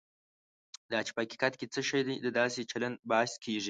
دا چې په حقیقت کې څه شی د داسې چلند باعث کېږي.